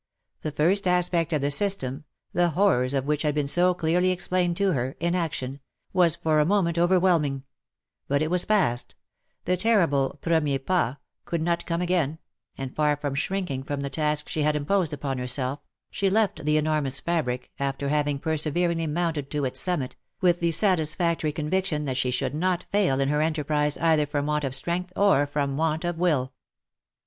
The first aspect of the system (the horrors of which had been so clearly explained to her) in action, was for a moment over whelming — but it was past — the terrible " premier pas" could not come again , and far from shrinking from the task she had imposed upon herself, she left the enormous fabric, after having perseveringly mounted to its summit, with the satisfactory conviction that she should not fail in her enterprise either from want of strength, or from want of will.